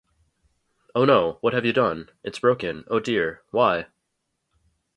Oh no, what have you done? It's broken, oh dear, why?